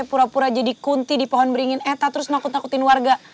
pura pura jadi kunti di pohon beringin kita terus takut takutin warga